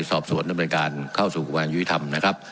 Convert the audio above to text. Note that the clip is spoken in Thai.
สอบสวนนำลังการเข้าสู่กรุงการยุทธรรมนะครับ